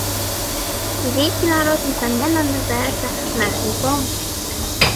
Сирийский народ, несомненно, нуждается в нашей помощи.